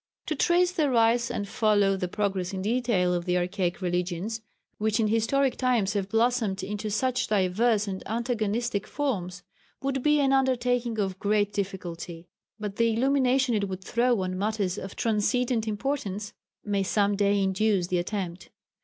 To trace the rise and follow the progress in detail of the archaic religions, which in historic times have blossomed into such diverse and antagonistic forms, would be an undertaking of great difficulty, but the illumination it would throw on matters of transcendent importance may some day induce the attempt.